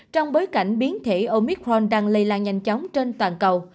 trong bối cảnh biến thể omitforn đang lây lan nhanh chóng trên toàn cầu